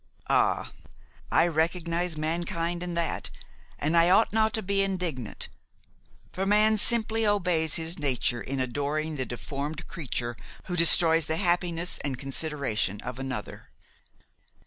Ah! I recognize mankind in that, and I ought not to be indignant; for man simply obeys his nature in adoring the deformed creature who destroys the happiness and consideration of another.